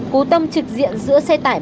cú tông trực diện giữa xe tải